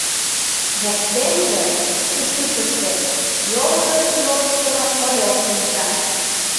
Воктенже, сушилкыште, йолжо гыч йолыштымо орёл шинча.